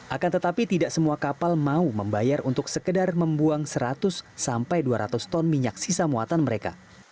akan tetapi tidak semua kapal mau membayar untuk sekedar membuang seratus sampai dua ratus ton minyak sisa muatan mereka